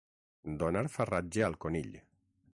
Donar farratge al conill.